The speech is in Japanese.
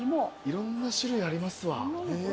いろんな種類ありますわ。